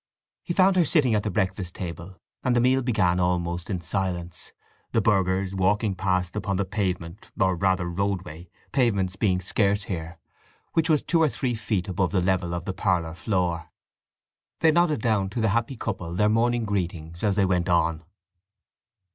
He found her sitting at the breakfast table, and the meal began almost in silence, the burghers walking past upon the pavement—or rather roadway, pavements being scarce here—which was two or three feet above the level of the parlour floor. They nodded down to the happy couple their morning greetings, as they went on.